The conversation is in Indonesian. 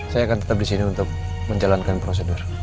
saya akan tetap di sini untuk menjalankan prosedur